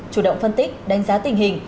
chủ động phân tích đánh giá tình hình